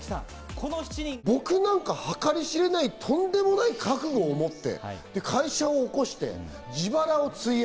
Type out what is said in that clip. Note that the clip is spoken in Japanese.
僕なんか計り知れないとんでもない覚悟を持って。